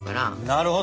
なるほど。